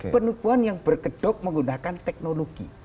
penipuan yang berkedok menggunakan teknologi